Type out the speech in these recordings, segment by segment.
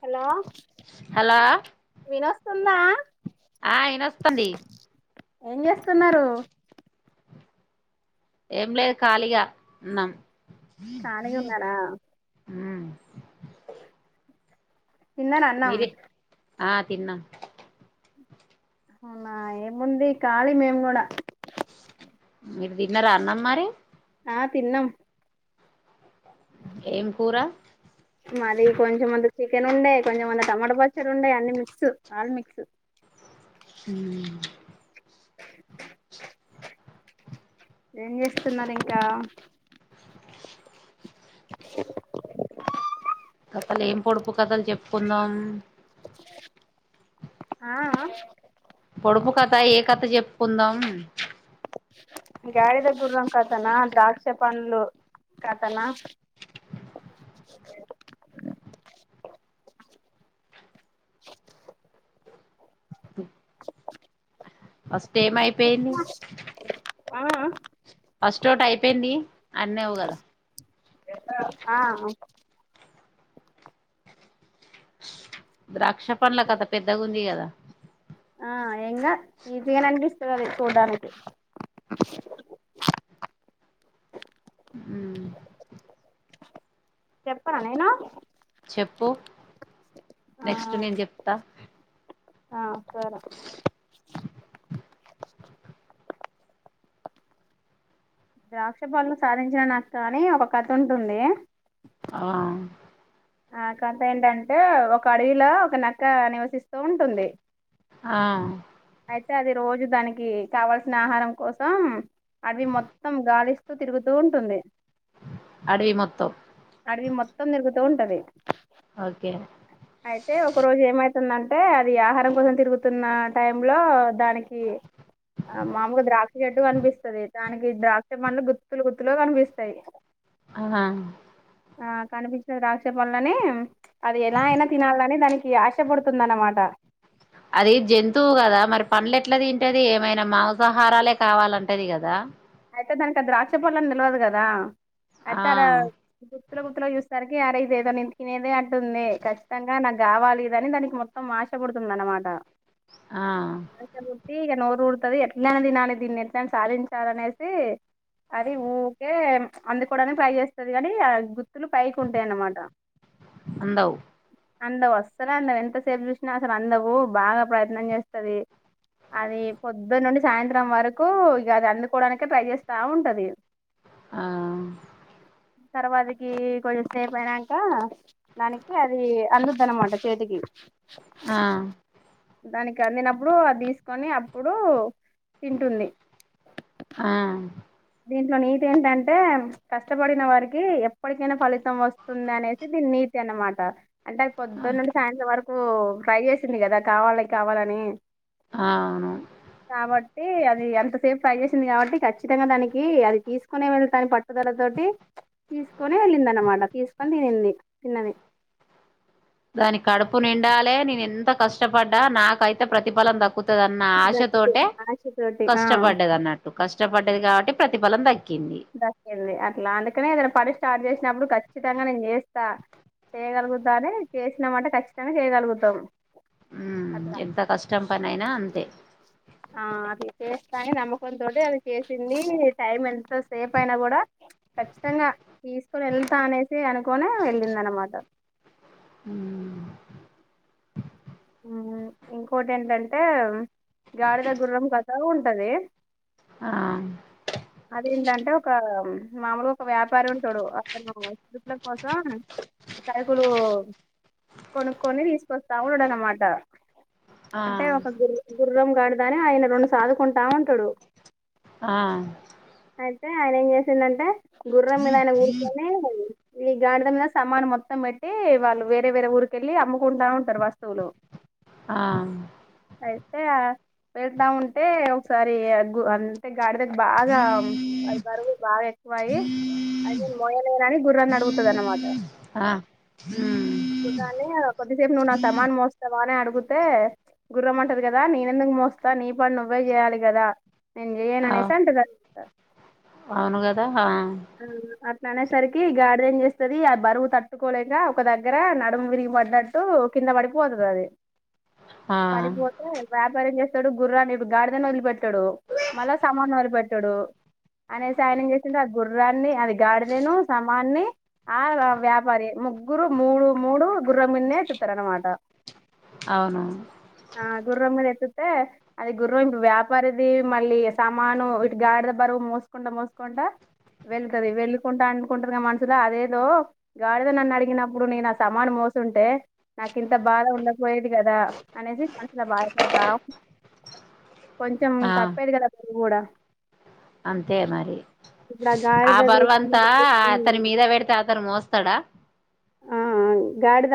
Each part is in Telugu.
హలో హలో విలో సున్నా ఆ అయన వస్తది ఏం చేస్తున్నారు ఏం లేదు ఖాళీగా ఉన్నాం ఖాళిగా ఉన్నారా మ్ తిన్నారా అన్నం మీరే ఆ తిన్నాం అవునా ఏముంది ఖాళీ మేము కూడా మీరు దిన్న రా అన్నమ్ మరి ఆ తిన్నాం ఏం కూర మది కొంచెంమందికి చికెన్ ఉండే, కొంచెంమందిక టమాటా పచ్చడి ఉండే, అన్ని మిక్స్ ఆల్ మిక్స్ మ్ మ్మ్ ఏం చేస్తున్నారు ఇంకా కథలె ఏం పొడుపు కథలు చెప్పుకుందాం ఆ ఆ పొడుపు కథ ఏ కథ చెప్పుకుందాం మ్మ్ గాడిద గుర్రం కథనా, ద్రాక్ష పండ్లు కథనా హ్ అస్ తేమయిపోయింది ఆ ఆ అన్నావు కదా ఆ అ ద్రాక్ష పండ్ల కథ పెద్దగుంది. కదా ఆ ఎంగా ఈజీగనే అన్పిస్ చూడాలి చూడ్డానికి హ్మ్ చెప్పన నేను చెప్పు ఆ నెక్స్ట్ నేను చెప్తా ఆ సర ద్రాక్ష పాలలు సాధించిన నాకు కానీ ఒక కథ ఉంటుంది ఆ ఆ కాంత ఏంటంటే ఒక అడవిలో ఒక నక్క నివసిస్ తు ఉంటుంది ఆ అ అ అది రోజు దానికి కావాల్సిన ఆహారం కోసం, అడవి మొత్తం గాలిస్తూ తిరుగుతూ ఉంటుంది. అడవి మొత్తం అడివి మొత్తం తిర్ టది ఓకే అయితే ఒక రోజు ఏమై స్తుందంటే అది ఆహారం కోసం తిరుగుతున్న టైం లో, దానికి ఆ మామూలుగా ద్రాక్ష చెట్టు కనిపిస్తది దానికి ద్రాక్ష పండ్లు గుత్తులు గుత్తులుగా కనిపిస్తాయి. ఆహా ఆ కనిపించడా వాళ్ళని అది ఎలా అయినా తినాలని దానికి ఆశ పుడుతుంది అన్నమాట. అట్ల తింటది ఏమైనా మాంసాహారాలే కావాలంటది కదా అయితే దానికి ద్రాక్ష పళ్ళు అని తెల్వదు కదా ఆ ఐతే అడ పళ్ళ గుత్తులో చూసరికి అరె ఇదేదో నేను తినేదే ఉంటుంది కచ్చితంగా నా కావాలి ఇది దానికి మొత్తం ఆశ పుడుతుంది అన్నమాట ఆ ఇగ నోరు ఊరుతది ఎట్లనే తినాలే దీన్ని ఎట్లని సాధించాలనేసి అది ఊకే అందుకోడానికి ట్రై చేస్తది కాని అది గుత్తులు వైకుంటయి అన్నమాట అందవు అందవు అస్సలు అందవు ఎంతసేపు చూసినా అసలు అందవు బాగా ప్రయత్నం చేస్తది అది పొద్దున్న నుండి సాయంత్రం వరకు ఇగ అది అందుకోవడానికి ఇక ట్రై చేస్తా ఉంటది ఆ తర్వాతకి కొంచెం సేపు అయినాక దానికి అది అందదు అన్నమాట చేతికి ఆ దానికి అందినప్పుడు అది తీసుకొని అప్పుడు తింటుంది. ఆ దీంట్లో నీతి ఏంటంటే కష్టపడిన వారికి ఎప్పటికైనా ఫలి తం వస్తుంది అనేసి దీని నీ అన్నమాట అంటే అది పొద్దునింటి సాయంత్రం వరకు కు ట్రై చేసింది కదా కావాలి కావాలని ఆవును టి అది ఎంత సేపు ట్రై చేసింది కాబట్టి ఖచ్చితంగా దానికి ది అది తీసుకునే వెళతా అని పట్టుదల తోటి తీసుకొనే వెళ్ళింది అన్నమాట తీసుకొని తినింది తిన్నది. దాని కడుపు నిండాలే నేను ఎంత కష్టపడ్డా నాకైతే ప్రతిఫలం దక్కు దన్న ఆశ తోటే ద్రాక్ష తోటి ఆ కష్టపడ్డది అన్నట్టు కష్టపడ్డది కాబట్టి ప్రతిఫలం దా దక్కింది అట్లా అందుకనే కదా పని స్టార్ట్ చేసినప్పుడు ఖచ్చితంగా నేను చేస్తా చేయగలుగుతానే చేసినమాంటే ఖచ్చితంగా చేయగలుగుతాం ఉ అట్లా ఎంత కష్టం పని అయినా అంతే ఆ అది చేస్తాని నమ్మకంతోటి అది చేసింది టైం ఎంత సేపు అయినా కూడా ఖచ్చితంగా తీసుకొని వెళ్తా అనేసి అనుకుని వెళ్ళింది అనమాట ఉ ఇంకోటి ఏంటంటే గాడిద గుర్రం కథలు ఉంట ఉంటదే ఆ అదేంటంటే ఒక మాముూలు ఒక వ్యాపారి ఉంటాడు అతను సరుపుల కోసం సరుకులు కొనుక్కొని తీసుకొస్తా ఉన్నాడు అన్నమాట తా ఆ అంటే ఒక గురు గురు గుర్రం గాడిదని ఆయన రెండు సాదుకుంటా ఉంటాడు ఆ అయితే ఆయన ఏం చేసిందంటే గుర్రం మీద ఆయన కూసోని ఈ గాడిద మీద సామాన్ మొత్తం పెట్టి వాళ్ళు వేరే వేరే ఊరికెళ్ళి అమ్ముకుంటా ఉంటారు వస్తువులు ఆ వెళ్తే ఆ వెళ్తా ఉంటే ఒకసారి ఆ గు అంతే గాడిదకు బాగా అది బరువు బాగా ఎక్కువ ఆయి అది మొయ్యలేనని గుర్రాన్ని అడుగుతది అన్నమాట ఆ ఉమ్ దాన్ని కొద్దిసేపు నువ్వు నా సమాన్ మో వానే అడుగుతే గుర్రంమంటది కదా నేనెందుకు మోస్తా నీ పని నువ్వే చేయాలి కదా నేను చెయ్యను అవ్ అనేసి అంటది అది అవును కదా ఆ ఆ అట్లా అనేసరికి గాడిద ఏం చేస్తుంది ఆ బరువు తట్టుకోలేక ఒక దగ్గర నడుము విరిగి పడ్డట్టు కింద పడిపోతుంది అది ఆ పడిపోతే వ్యాపారం ఏం చేస్త డు గుర్రాన్ని గాడిదని వదిలిపెట్టాడు మళ్ళా సమాన్ వదిలిపెట్టాడు అనేసి ఆయనేం చేసిండు ఆది గుర్రాన్ని అది గాడిదను సమాన్ని ఆ వ్యాపారి ముగ్గురు మూడు మూడు గుర్రంన్నే చుతారు అనమాట అవును ఆ గుర్రం మీద ఎతు అతే అది గుర్రం ఇప్పు వ్యాపారిది మళ్ళీ సామాను ఇటు గాడిద బరువు మోసుకుంట మోసుకుంట వెళ్తది వెళ్ళకుంటా అనుకుంటురుగా మనుసులో అదేదో గాడిద నన్ను అడిగినప్పుడు నేను నా సమాను మోసుంటే నాకు ఇంత బాధ ఉండపోయేది కదా అనేసి మనుసులో బాధపడతా ఉంట కొంచెం ఆ తప్పేది కదా కూడా అంతే మరి ఇప్పుడు ఆ గాడిదది బరువంతా అతని మీద పెడితే అతను మోస్త స్తడా ఆ గాడిద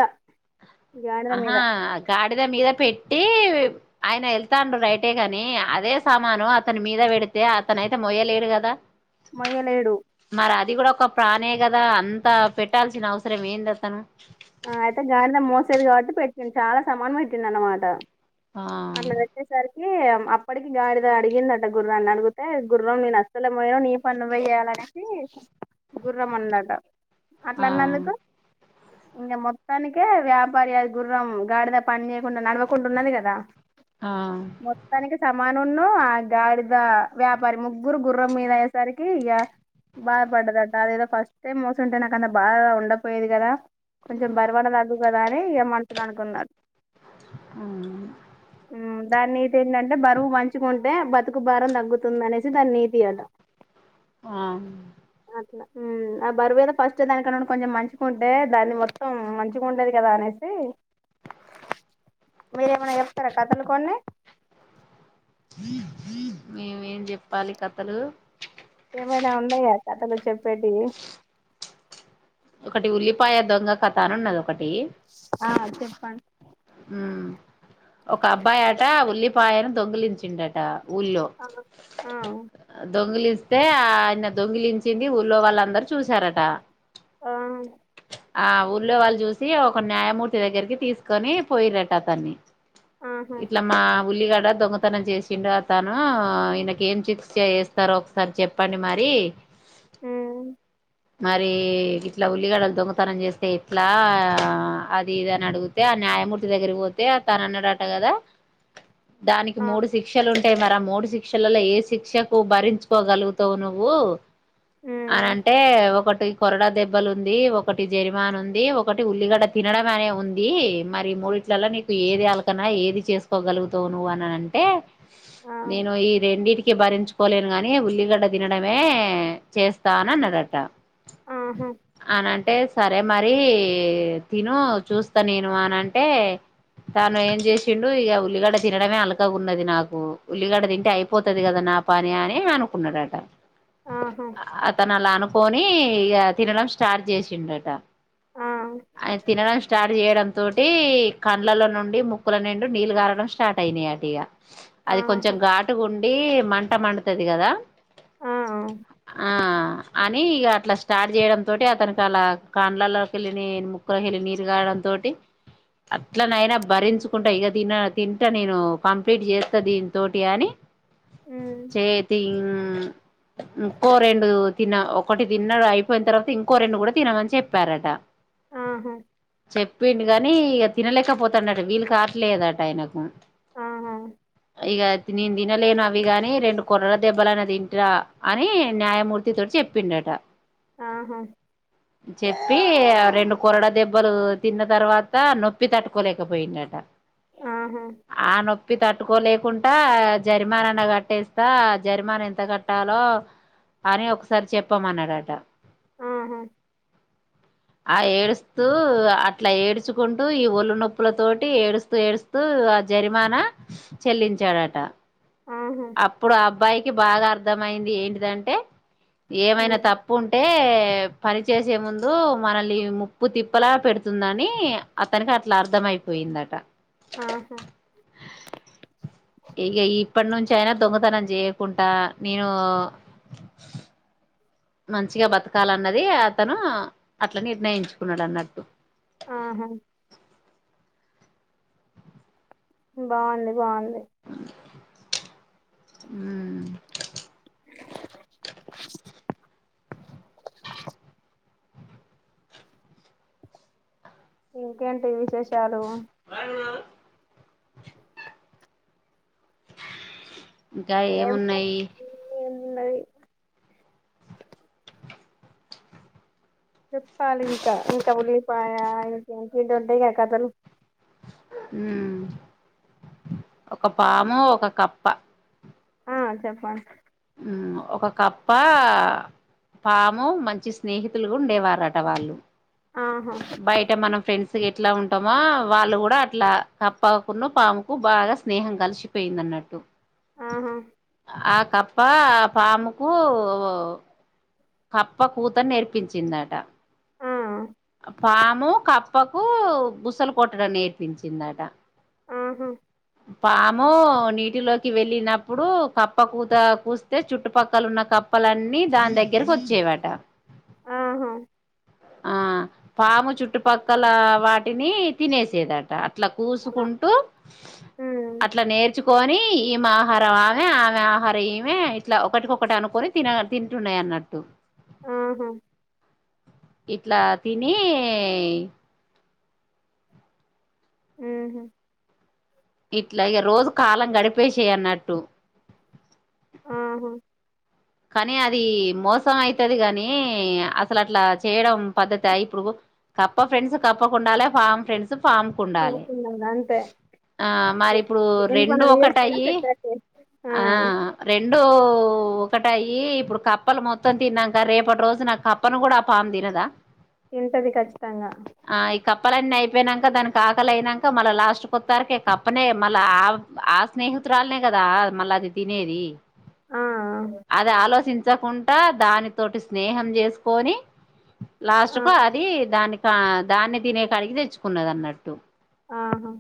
గాడిద ఆహా మీద గా డిద మీద పెట్టి ఆయన వెళ్తాడు రైటే గాని అదే సామాను అతని మీద పెడితే అతన అయితే మోయలేడు కదా మొయలేడు మరి అది కూడా ఒక ప్రాణే కదా అంత పెట్టాల్సిన అవసరం ఏంది అతను ఆ అయితే గాడిద మోసేది కాబట్టి పెట్టింది చాలా సామాన్ పెట్టిండు అనమాట ఆ అప్పటికి గాడిద అడిగిందట గుర్రాన్ని అడిగితే గుర్రం నేను అసలే మొయ్య నీ పని నువ్వే చేయాలనేసి గుర్రం అన్నట ఆ అట్లన్నందుకు ఇంకా మొత్తానికే వ్యాపారి అది గుర్రం గాడిద పని చేయకుండా నడవకుండా ఉన్నది కదా ఆ మొత్తానికి సమాన నున్న ఆ గాడిద వ్యాపారి ముగ్గురు గుర్రం మీద అయేసరికి ఇ బాధ పడ్డదట అద ఏదో ఫస్ట్ టైమ్ మోస్తుంటే నాక అంత బాధ ఉండపోయేది కదా కొంచెం బర్వన్న దగ్గు కదా అని ఇ మనసుల అనుకున్నాడు ఉమ్, దాని నీతి ఏంటంటే బరువు పంచుకుంటే బతుకు భారం తగ్గుతుంది అనేసి దాని నీతి అట ఆ మ్మ్ ఆ బరువేదో ఫస్ట్ దానికన్నాండి కొంచెం మంచిగాంటే దాన్ని మొత్తం మొత్తం మంచిగా ఉండేది కదా అనేసి మీరేమైనా చెప్తారా కథలు కొన్ని మేమేం చెప్పాలి కథలు ఏమైనా ఉన్నాయా కథలు చెప్పేటియి ఒకటి ఉల్లిపాయ దొంగ కథ అనీ ఉన్నది ఒకటి ఆ చెప్పండి ఉమ్ పాయను దొంగలించిండట ఊళ్ళో ఆ ఆ దొంగలిస్ స్తే ఆ ఆయన దొంగిలించింది ఊళ్లో వాళ్ళందరు చూశారట ఆ ఆ ఊళ్ళో వాళ్ళు చూసి ఒక న్యాయమూర్తి దగ్గరికి తీసుకొని పోయిరటా అతన్ని ఆహా ఇట్లా మా ఉల్లిగడ దొంగతనం చేసిండు అతను ఇనకి ఏం శిక్ష చేస్తారో ఒకసారి చెప్పండి మరి మ్మ్ మరి ఇట్లా ఉల్లిగడలు దొంగతనం చేస్తే ఎట్లా అది ఇది అని అడిగితే ఆ న్యాయమూర్ దగ్గరికి పోతే తను అన్నాడట కదా దానికి ఆ మూడు శిక్షలు ఉన్ అంటే మరి మూడు శిక్షలలో ఏ శిక్షకు భరించుకోగలుగుతావు నువ్వు ఉమ్ అనంటే ఒకట్ టి కొరడ దెబ్బలు ఉంది ఒకటి జరిమాన్ ఉంది ఒకటి ఉల్లిగడ్డ తినడం అనే ఉంది మరి మూడిట్ ఇట్లలో నీకు ఏది అలకనా ఏది చేసుకోగలుగుతావు నువ్వు అని అంటే ఆ నేను ఈ రెండింటికి భరించుకోలేను గాని ఉల్లిగడ్డ తినడమే చేస్తా అన్నడట ఆహా అనన్ అంటే సరే మరి తిను చూస్తా నేను అని అంటే తను ఏం చేసిండు ఇక ఉల్లిగడ్డ తినడమే అలకగా ఉన్నది నాకు ఉల్లిగడ్డ తింటే అయిపోతది కదా నా పని అని అనుకున్నాడట ఆహా అతనలా అనుక్ పోనీ ఇగా తినడం స్టార్ట్ చేసిండట ఆ ఆయన తినడం స్టార్ట్ చేయడం తోటి కండ్లలో నుండి ముక్కుల నిండి నీళ్లు కారడం స్టార్ట్ అయినాయి అటు ఇగా అది కొంచెం ఆహా ఘాటుగా ఉన్ అడి మంట మండతది కదా ఆ ఆ అని ఇక అట్లా స్టార్ట్ చేయడం తోటి అతనికి అలా కాండ్లలోకి వెళ్ళి ముక్కలోకెళ్ళి నీరు కారడం తోటి అట్లనైనా భరించుకుంటా ఇగ తన్న తింటా నేను కంప్లీట్ చేస్తా దీనితోటి అని ఉమ్ చేతి ఇంకో రెండు తిన్న ఒకటి తిన్నాడు అయిపోయిన తర్వాత ఇంకో రెండు కూడా తినమని చెప్పారట ఆహా చెప్పిడు గానీ ఇగ తినలేకపోతాండట వీళ్ళు కావట్లేదట ఆయనకు ఆా ఇక నేను తినలేను అవి గాని రెండు కుర్రల దెబ్బలనా తింటా అని న్యాయమూర్తితోోటి చెప్పిండట ఆహా చెప్పి రెండు కూరడ దెబ్బలు తిన్న తర్వాత నొప్పి ప్పి తట్టుకోలేకపోయిండట ఆహా ఆ నో ప్పి తట్టుకోలేకుండా జరిమానానా కట్టేస్తా జరిమానా ఎంత కట్టాలో అని ఒకసారి చెప్పామన్నాడట ఆా ఆ ఏడుస్తూ అట్లా ఏడ్చుకుం టు ఈ ఒల్లు నొప్పుల తోటి ఏడుస్తూ ఏడుస్తూ ఆ జరిమానా చెల్లించాడట ఆహా అప్పుడు ఆ అబ్బాయికి బాగా అర్థమయింది ఏంటిదంటే ఏమైనా ఉమ్ తప్పు ఉంటే పని చేసే ముందు మనల్ని ముప్పు తిప్పలా పెడుతుందని అతనికి అట్లా అర్థ అయిపోయిందట ఆహా ఇగ ఇప్పటి నుంచి అయినా దొంగతనం చేయకుంటా నేను మంచిగా బతకాల అన్నది అతను అట్లా నిర్ణయించుకున్నాడు అన్నట్టు ఆహా బాగుంది బాగుంది హు ఇంకేంటి విశేషాలు వావా ఇంకా ఏమున్నాయి ఉన్నయి చెప్పాలింకా ఇంకా ఉల్లిపాయ ఇంటియేంటియో ఉంటయి గా కథలు హు ఒక పాము ఒక కప్ప ఆ చెప్పండి హు ఒక కప్ ప్ప పాము మంచి స్నేహితులుగా ఉండేవారట వాళ్ళు ఆహా బయట మనం ఫ్రెండ్స్ గా ఎట్లా ఉంటామో వాళ్ళు కూడా అట్లా కప్పకున్ను పాముకు బాగా స్నేహం కలిసిపోయింది అన్నట్టు ఆహా ఆ కప్ప పాముకు కప్ప కూతరు నేర్పించిందట ఆ పాము కప్పకు బుసలు కొట్టడం నేర్పించిందట ఆహా పాము నీటిలోకి వెళ్ళినప్పుడు కప్ప కూత కూస్తే చుట్టుపక్కల ఉన్న కప్పలన్నీ దాని దగ్గర గ్గరికి వచ్చేవాట ఆహా ఆ పాము చుట్టుపక్కల వాటిని తినేసేదట అట్లా ఆ కూసుకుంటూ ఉమ్ అట్లా నేర్చుకు కొని ఈమె ఆహారం ఆమె ఆమె ఆహారం ఈమె ఇట్లా ఒకటికొకటి అనుకొని తిన తింటున్నాయి అన్నట్టు ఆహా ఇట్లా తినీ హు హుమ్ ఇట్లాగే రోజు కాలం గడిపేసేయ్ అన్నట్టు ఆహా కానీ అది మోసం అయితది గాని అసలు అట్లా చేయడం పద్ధతి ఇప్పుడు కప్ప ఫ్రెండ్స్ కప్పకుండాల పామ్ ఫ్రెండ్స్ పామ్కుండాలి పడుకున్నది అంతే ఆ మరి ఏ- ఇప్పుడు దేని పని రెండు అది ఒకటి చేస్తేనే అయి సెట్ అయితది ఆ రెం ఓ ఒకటయ్యి ఇప్పుడు కప్పలు మొత్తం తిన్నాక రేపటి రోజు నా కప్పను కూడా ఆ పామ్ తినదా తింటది ఖచ్చితంగా ఆ ఈ కప్పలన్నీ అయిపోయినాక దాని ఆకలి అయినాక మళ్ళా లాస్ట్ కొత్తరికి కప్పనే మళ్ళ ఆ ఆ స్నేహితురాలనే కదా మళ్ళీ అది తినేది ఆ ఆ అ దాని తోటి స్నేహం చేసుకొని లాస్ట్ ఆ కు అది దానికి ఆ దాన్ని తినే కాడిగి తెచ్చుకున్న దన్నట్టు ఆహా